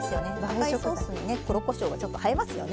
赤いソースにね黒こしょうがちょっと映えますよね。